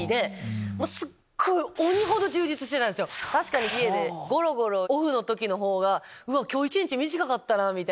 確かに家でごろごろオフの時の方が今日一日短かったな！みたいな。